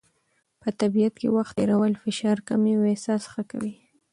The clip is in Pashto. په طبیعت کې وخت تېرول فشار کموي او احساس ښه کوي.